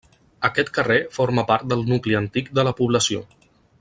Aquest carrer forma part del nucli antic de la població.